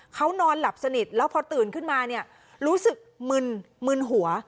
เขานอนหลับสนิทแล้วพอตื่นขึ้นมาเนี่ยรู้สึกมึนมึนหัว